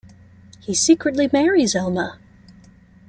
He secretly marries Elma.